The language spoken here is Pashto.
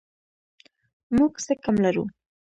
موږ څه کم لرو؟